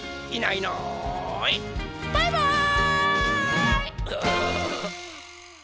バイバーイ！